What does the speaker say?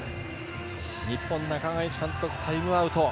日本、中垣内監督タイムアウト。